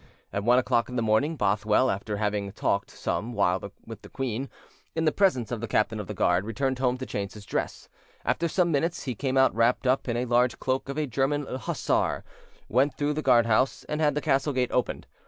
At one o'clock in the morning, Bothwell, after having talked some while with the queen, in the presence of the captain of the guard, returned home to change his dress; after some minutes, he came out wrapped up in the large cloak of a German hussar, went through the guard house, and had the castle gate opened.